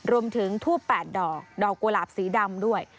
รวมถึงทูป๘ดอกดอกกลาบสีดำด้วย